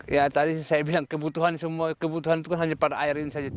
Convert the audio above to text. ya tadi saya bilang kebutuhan semua kebutuhan itu kan hanya pada air ini saja